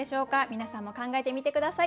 皆さんも考えてみて下さい。